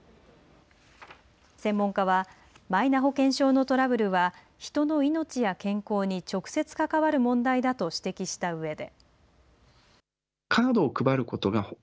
専門家はマイナ保険証のトラブルは人の命や健康に直接関わる問題だと指摘したうえで。